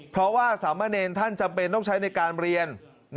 เพราะว่าสามเณรท่านจำเป็นต้องใช้ในการเรียน